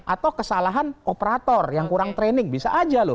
atau kesalahan operator yang kurang training bisa aja loh